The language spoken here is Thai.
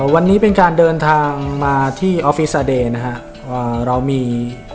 วันนี้เป็นการเดินทางมาที่ออฟฟิศเดย์นะฮะเรามี